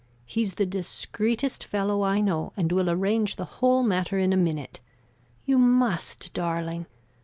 He's the discreetest fellow I know and will arrange the whole matter in a minute. You must, darling!